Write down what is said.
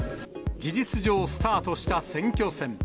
事実上スタートした選挙戦。